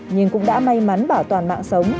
nhưng cũng đã may mắn bảo toàn mạng sống